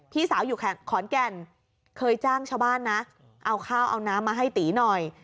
พี่สาวอยู่ขอนแก่นเคยจ้างชาวบ้านนะเอาข้าวเอาน้ำมาให้ตีหน่อย